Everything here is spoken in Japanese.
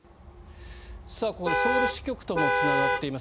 ここでソウル支局ともつながっています。